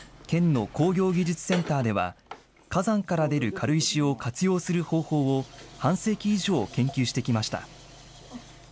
県の工業技術センターでは、火山から出る軽石を活用する方法を、半世紀以上、研究してきました。